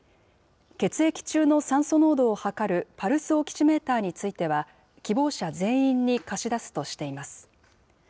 血液中の酸素濃度を測るパルスオキシメーターについては、希望者全員に貸し出すとしています。